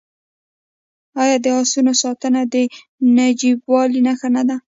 آیا د اسونو ساتنه د نجیبوالي نښه نه ده؟